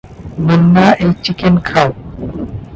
মুন্না, এই চিকেন খাও।